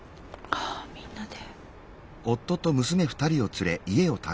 あみんなで。